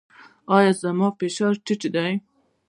ایا زما فشار ټیټ دی؟